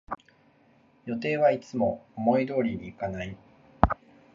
予定はいつも思い通りにいかない